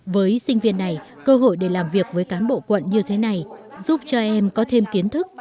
với sinh viên này cơ hội để làm việc với cán bộ quận như thế này giúp cho em có thêm kiến thức